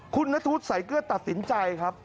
คุณณทูศใส่เกลือตัดสินใจครับ